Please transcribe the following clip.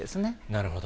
なるほど。